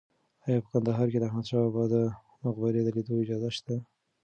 ایا په کندهار کې د احمد شاه بابا د مقبرې د لیدو اجازه شته؟